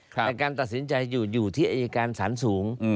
แต่การตัดสินใจอยู่ที่อายการสารสูง